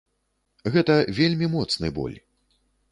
Гэта вельмі моцны боль.